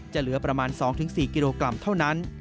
เหลือประมาณ๒๔กิโลกรัมเท่านั้น